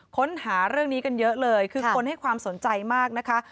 ค้นหาเรื่องนี้กันเยอะเลยคือคนให้ความสนใจมากนะคะ